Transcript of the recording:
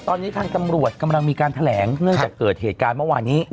ตอนนี้ทางตำรวจกำลังมีการแถลงเนื่องจากเกิดเหตุการณ์เมื่อวานนี้